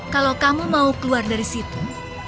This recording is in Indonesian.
kalau kamu mau keluar dari situ